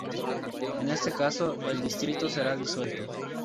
En este caso el distrito será disuelto.